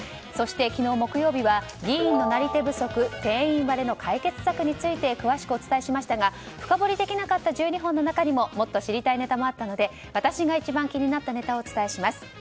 昨日木曜日は議員のなり手不足定員割れの解決策について詳しくお伝えしましたが深掘りできなかった１２本の中にももっと知りたいネタがあったので私が一番気になったネタをお伝えします。